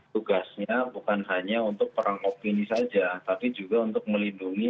tugasnya bukan hanya untuk perang opini saja tapi juga untuk melindungi